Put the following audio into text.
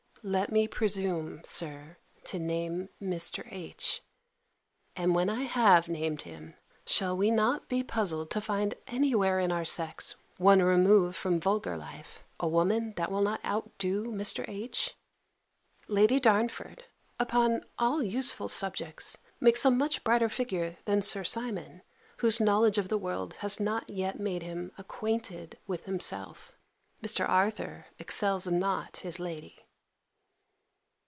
Let me presume, Sir, to name Mr. H.: and when I have named him, shall we not be puzzled to find any where in our sex, one remove from vulgar life, a woman that will not out do Mr. H.? Lady Darnford, upon all useful subjects, makes a much brighter figure than Sir Simon, whose knowledge of the world has not yet made him acquainted with himself. Mr. Arthur excels not his lady.